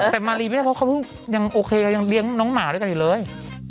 แต่มารีเพราะว่าพี่พลอยยังโอเคก็ยังเลี้ยงน้องหมาด้วยกันอยู่เลย